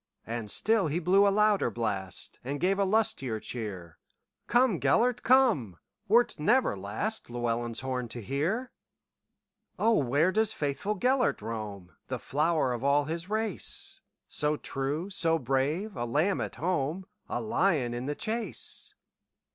And still he blew a louder blast, And gave a lustier cheer:"Come, Gêlert, come, wert never lastLlewelyn's horn to hear."O, where doth faithful Gêlert roam, The flower of all his race, So true, so brave,—a lamb at home,A lion in the chase?"